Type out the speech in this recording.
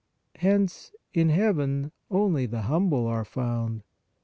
Hence, in heaven only the humble are found.